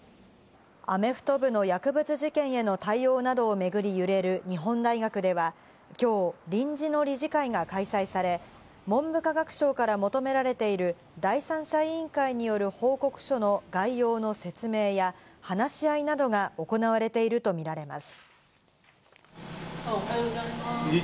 アメフト部の薬物事件への対応などを巡り揺れる日本大学では、きょう臨時の理事会が開催され、文部科学省から求められている第三者委員会による報告書の概要の説明や話し合いなどが行われていると見られます。